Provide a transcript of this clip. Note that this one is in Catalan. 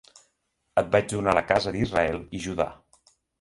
Et vaig donar la casa d'Israel i Judà.